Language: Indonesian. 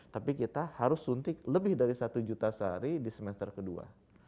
tapi kita harus suntik lebih dari satu juta sehari di semester kedua